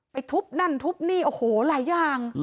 ทุบนั่นทุบนี่โอ้โหหลายอย่าง